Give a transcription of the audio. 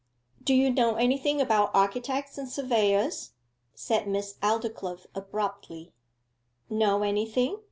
'Do you know anything about architects and surveyors?' said Miss Aldclyffe abruptly. 'Know anything?